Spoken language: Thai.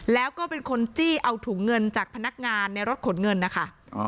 แล้วก็เป็นคนจี้เอาถุงเงินจากพนักงานในรถขนเงินนะคะ